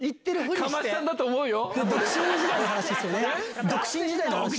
かましたんだと思うよ。